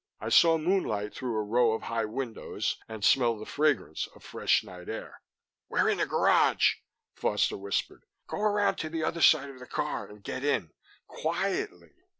I saw moonlight through a row of high windows, and smelled the fragrance of fresh night air. "We're in the garage," Foster whispered. "Go around to the other side of the car and get in quietly."